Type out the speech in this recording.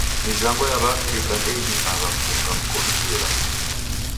Mizango ya W'aafrika ndeidimagha kuunga mkonu ijo ilagho.